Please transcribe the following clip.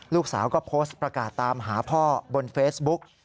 ลูกสาวก็โพสต์ประกาศตามหาพ่อบนเฟซบุ๊ก